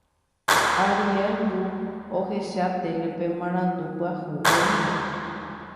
Ariel ru ohecha télepe marandu pyahu oĩva.